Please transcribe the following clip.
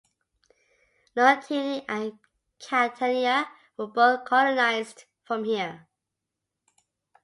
Leontini and Catania were both colonized from here.